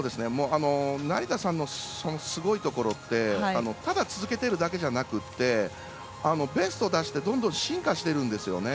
成田さんのすごいところはただ続けてるだけじゃなくてベストを出してどんどん進化しているんですよね。